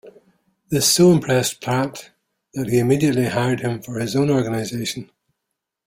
This so impressed Pratt that he immediately hired him for his own organization.